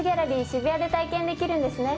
渋谷で体験できるんですね。